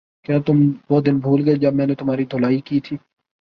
کیا تم وہ دن بھول گئے جب میں نے تمہاری دھلائی کی تھی